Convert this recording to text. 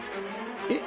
えっ？